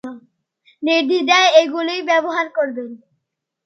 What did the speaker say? নির্দ্বিধায় এগুলি ব্যবহার করবেন।